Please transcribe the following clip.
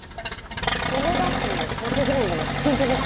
このバッグも高級ブランドの新品です。